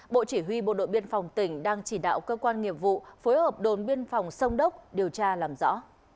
bộ chỉ huy bộ đội biên phòng tỉnh đang chỉ đạo cơ quan nghiệp vụ phối hợp đồn biên phòng sông đốc điều tra làm rõ